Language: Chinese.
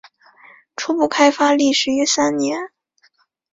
初步开发历时约三年。